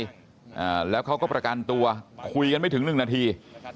อ่าแล้วเขาก็ประกันตัวคุยกันไม่ถึงหนึ่งนาที